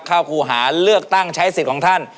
คู่หาเลือกตั้งใช้สิทธิ์ของท่าน